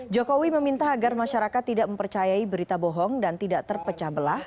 jokowi meminta agar masyarakat tidak mempercayai berita bohong dan tidak terpecah belah